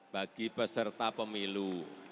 bagi peserta pemilu